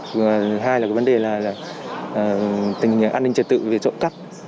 thứ hai là vấn đề là tình hình an ninh trật tự về chỗ cắt